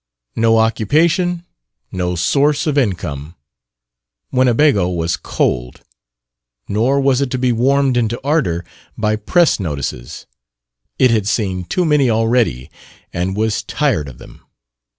No occupation; no source of income. Winnebago was cold; nor was it to be warmed into ardor by press notices. It had seen too many already and was tired of them.